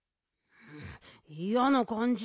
いやなかんじ。